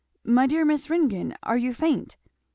"My dear Miss Ringgan! are you faint?"